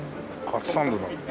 カツサンドだ。